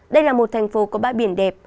đây là một thành phố có bãi biển đẹp